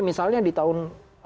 misalnya di tahun enam puluh lima